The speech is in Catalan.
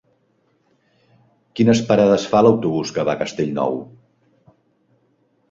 Quines parades fa l'autobús que va a Castellnou?